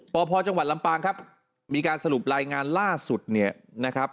ปพลำปางครับมีการสรุปรายงานล่าสุดนะครับ